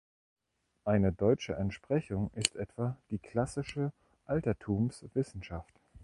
Eine deutsche Entsprechung ist etwa die Klassische Altertumswissenschaft.